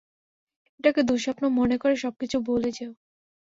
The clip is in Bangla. এটাকে দুঃস্বপ্ন মনে করে সবকিছু ভুলে যেও।